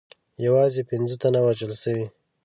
یوازې پنځه تنه وژل سوي.